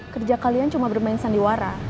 kerja kalian cuma bermain sandiwara